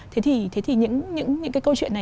thế thì những cái câu chuyện này